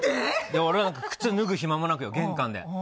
俺は靴脱ぐ暇もなく玄関で。